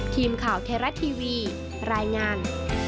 ทีมข่าวเทราะห์ทีวีรายงาน